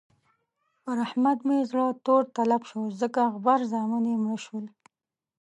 پر احمد مې زړه تور تلب شو ځکه غبر زامن يې مړه شول.